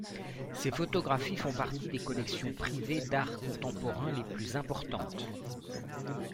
Ses photographies font partie des collections privées d’art contemporain les plus importantes.